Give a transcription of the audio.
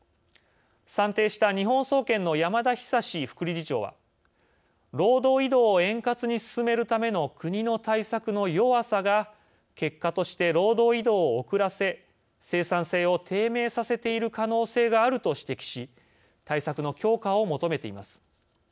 算定した日本総研の山田久副理事長は「労働移動を円滑に進めるための国の対策の弱さが結果として労働移動を遅らせ生産性を低迷させている可能性がある」と指摘し対策の強化を求めています。